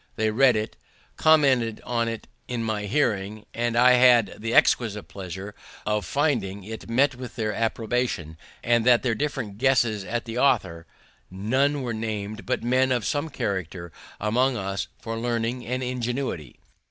They read it, commented on it in my hearing, and I had the exquisite pleasure of finding it met with their approbation, and that, in their different guesses at the author, none were named but men of some character among us for learning and ingenuity.